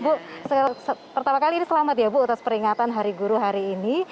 bu pertama kali ini selamat ya bu atas peringatan hari guru hari ini